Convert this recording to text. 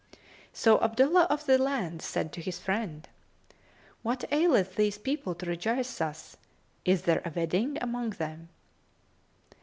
So Abdullah of the Land said to his friend, "What aileth these people to rejoice thus? Is there a wedding among them?"